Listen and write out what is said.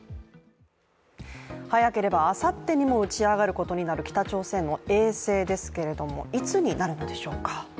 早ければあさってにも打ち上がることになる北朝鮮の衛星ですけれどもいつになるのでしょうか？